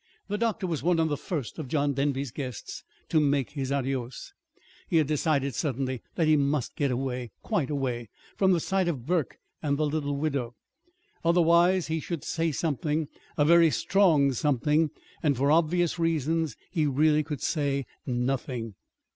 The doctor was one of the first of John Denby's guests to make his adieus. He had decided suddenly that he must get away, quite away, from the sight of Burke and the little widow. Otherwise he should say something a very strong something; and, for obvious reasons, he really could say nothing.